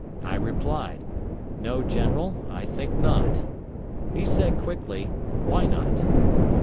I replied, 'No, General, I think not.' He said quickly, 'Why not?'